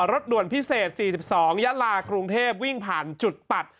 รถด่วนพิเศษสี่สิบสองยะลากรุงเทพวิ่งผ่านจุดตัด